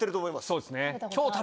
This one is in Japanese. そうですね。